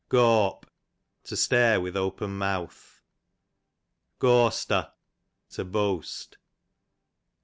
Gawpe, to stare with open mouth. Gawster, to boast.